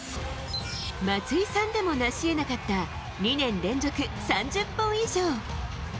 松井さんでもなしえなかった、２年連続３０本以上。